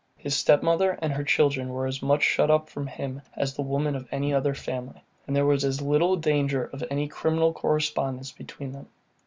His step mother and her children were as much shut up from him as the woman of any other family, and there was as little danger of any criminal correspondence between them.